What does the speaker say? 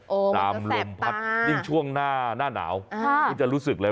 มันจะแสบตาตามลมพัดยิ่งช่วงหน้าหนาวมันจะรู้สึกเลย